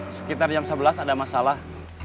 sekitar jam sebelas ada masalah